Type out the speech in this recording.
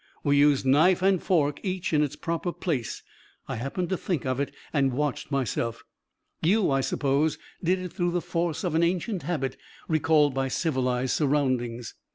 "We used knife and fork, each in its proper place. I happened to think of it and watched myself. You, I suppose, did it through the force of an ancient habit, recalled by civilized surroundings."